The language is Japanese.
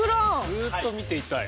ずっと見ていたい。